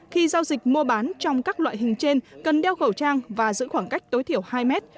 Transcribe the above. khi giao dịch mua bán trong các loại hình trên cần đeo khẩu trang và giữ khoảng cách tối thiểu hai mét